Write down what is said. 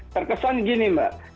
terkesan begini mbak